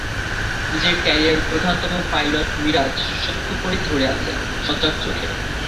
নিজের ক্যারিয়ারের প্রধানতম পাইলট মিরাজ শক্ত করেই ধরে আছেন, সজাগ চোখে।